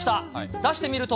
出してみると。